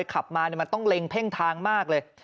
ขับมามันต้องเล็งเพ่งทางมากเลย